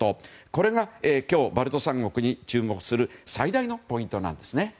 これが今日バルト三国に注目する最大のポイントなんです。